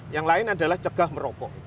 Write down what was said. yang lain adalah cegah merokok